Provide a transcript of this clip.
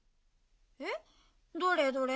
えっどれどれ？